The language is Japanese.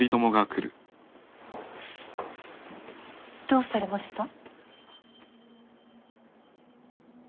どうされました。